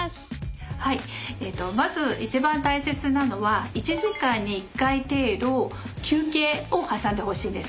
はいまず一番大切なのは１時間に１回程度休憩を挟んでほしいんですね。